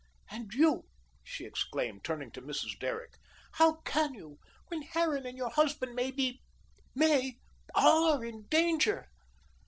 "And you," she exclaimed, turning to Mrs. Derrick, "how CAN you when Harran and your husband may be may are in danger."